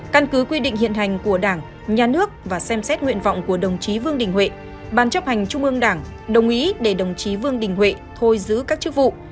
căn cứ quy định hiện hành của đảng nhà nước và xem xét nguyện vọng của đồng chí vương đình huệ ban chấp hành trung ương đảng đồng ý để đồng chí vương đình huệ thôi giữ các chức vụ